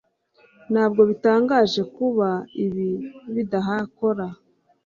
ntabwo bitangaje kuba ibi bidakora